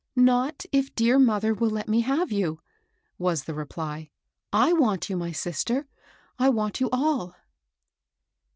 " Not if dear mother will let me have you," was the reply. I want you, my sister, — I want you all.'